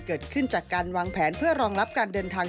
เกิดขึ้นจากการวางแผนเพื่อรองรับการเดินทาง